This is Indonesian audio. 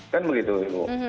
kan begitu ibu